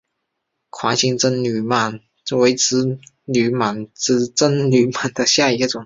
环形真绥螨为植绥螨科真绥螨属下的一个种。